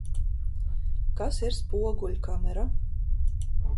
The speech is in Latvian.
Kas ir spoguļkamera?